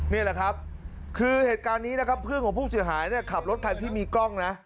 นี่แหละครับคือเหตุการณ์นี้นะครับเพื่อนของผู้เสียหายเนี่ยขับรถคันที่มีกล้องนะ